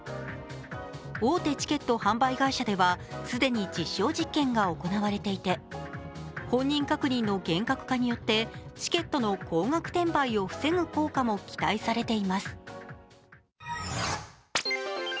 大手チケット販売会社では既に実証実験が行われていて本人確認の厳格化によってチケットの高額転売を防ぐ効果も期待されています。